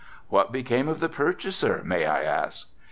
"What became of the purchaser, may I ask?"